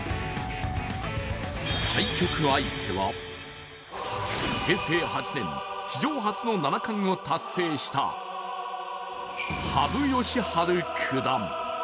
対局相手は、平成８年史上初の七冠を達成した羽生善治九段。